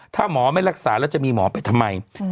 ถ้าหมอไม่รักษาแล้วจะมีหมอไปทำไม